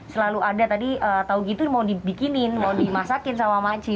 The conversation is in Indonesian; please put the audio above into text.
selalu ada tadi tau gitu mau dibikinin mau dimasakin sama maci